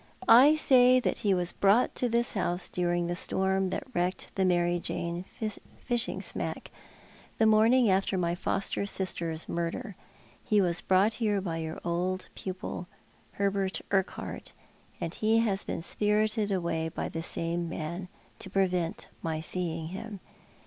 " I say that he was brought to this house during the storm that Avrecked tho J/ar?/ Jane fishing smack, the morning after my foster sister's murder. He was brought here by your old pupil, Hubert Urquhart, and he has been spirited away by the same man, to prevent my seeing him.